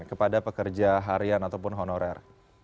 kepada pekerja harian ataupun honorer